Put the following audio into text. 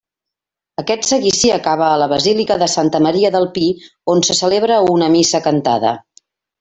Aquest seguici acaba a la basílica de Santa Maria del Pi on se celebra una missa cantada.